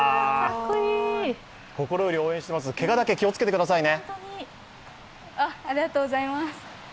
心より応援していますけがだけ、気をつけてくださいね。